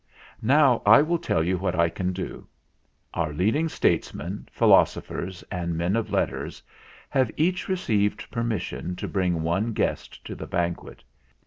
Now I will tell you what I can do. Our leading statesmen, DE QUINCEY 105 philosophers, and men of letters have each re ceived permission to bring one guest to the banquet.